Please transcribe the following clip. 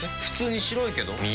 普通に白いけど。